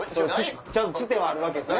ちゃんとつてはあるわけですね。